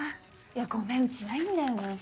ごめんうちないんだよね。